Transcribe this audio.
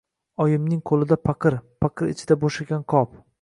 Oyimning qo‘lida paqir, paqir ichida bo‘shagan qop...